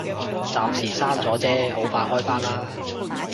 暫時閂咗啫，好快開返啦